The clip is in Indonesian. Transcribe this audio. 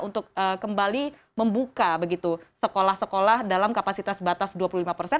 untuk kembali membuka begitu sekolah sekolah dalam kapasitas batas dua puluh lima persen